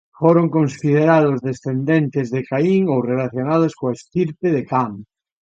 Foron considerados descendentes de Caín ou relacionados coa estirpe de Cam.